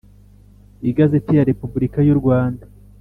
Igazeti ya Repubulika y’u Rwanda;